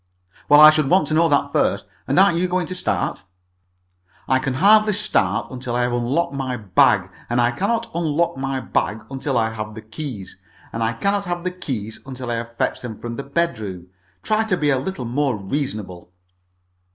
"Well, I should want to know that first. And aren't you going to start?" "I can hardly start until I have unlocked my bag, and I cannot unlock my bag until I have the keys, and I cannot have the keys until I have fetched them from the bedroom. Try to be a little more reasonable."